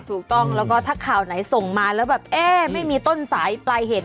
ถูกต้องแล้วก็ถ้าข่าวไหนส่งมาแล้วแบบเอ๊ะไม่มีต้นสายปลายเหตุ